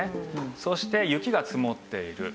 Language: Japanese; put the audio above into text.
そして雪が積もっている。